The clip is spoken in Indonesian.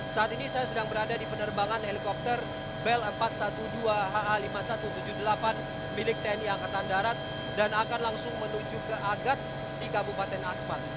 saat ini saya sedang berada di penerbangan helikopter bel empat ratus dua belas ha lima ribu satu ratus tujuh puluh delapan milik tni angkatan darat dan akan langsung menuju ke agats di kabupaten asmat